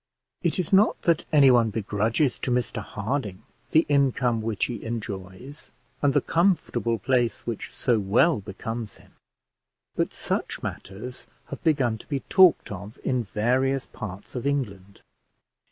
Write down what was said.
It is not that any one begrudges to Mr Harding the income which he enjoys, and the comfortable place which so well becomes him; but such matters have begun to be talked of in various parts of England.